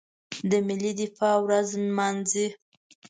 د ملي دفاع ورځ نمانځي.